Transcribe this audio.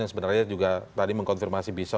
yang sebenarnya juga tadi mengkonfirmasi bisa